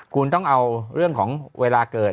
คุณต้องเอาเรื่องของเวลาเกิด